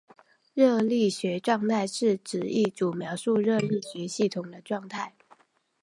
热力学状态是指一组描述热力学系统的状态。